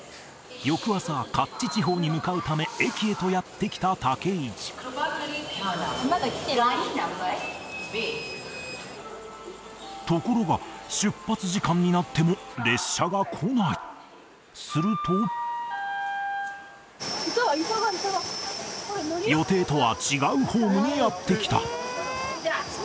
翌朝カッチ地方に向かうため駅へとやって来た武市ところが出発時間になっても列車が来ないすると予定とは違うホームにやって来た